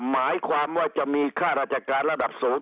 หมายความว่าจะมีค่าราชการระดับสูง